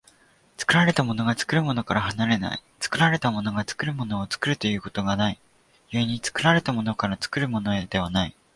作られたものが作るものから離れない、作られたものが作るものを作るということがない、故に作られたものから作るものへではない。